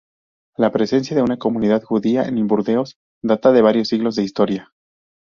La presencia de una comunidad judía en Burdeos data de varios siglos de historia.